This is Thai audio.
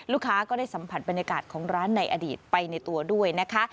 ก็ได้สัมผัสบรรยากาศของร้านในอดีตไปในตัวด้วยนะคะ